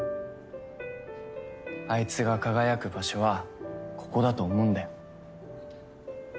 あいつが輝く場所はここだと思うんだよ。